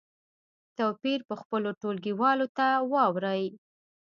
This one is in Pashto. توپیر په خپلو ټولګیوالو ته واوروئ.